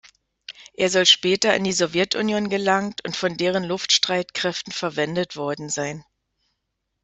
Er soll später in die Sowjetunion gelangt und von deren Luftstreitkräften verwendet worden sein.